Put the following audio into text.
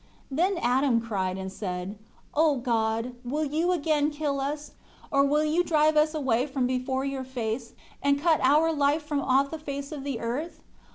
12 Then Adam cried, and said, "O God, will You again kill us, or will You drive us away from before Your face, and cut our life from off the face of the earth?